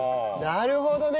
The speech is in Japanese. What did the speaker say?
なるほどね